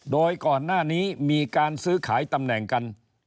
โดยก่อนหน้านี้มีการซื้อขายตำแหน่งกัน